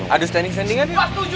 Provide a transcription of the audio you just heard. aduh standing standingan